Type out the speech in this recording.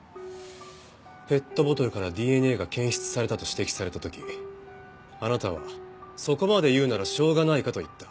ペットボトルからＤＮＡが検出されたと指摘された時あなたは「そこまで言うならしょうがないか」と言った。